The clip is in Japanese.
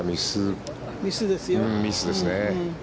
ミスですよね。